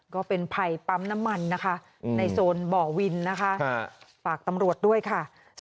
ก็เป็นภัยปั๊มน้ำมันนะคะในโซนบ่อวินนะคะฝากตำรวจด้วยค่ะ